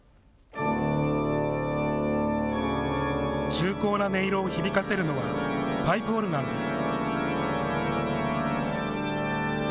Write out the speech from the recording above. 重厚な音色を響かせるのはパイプオルガンです。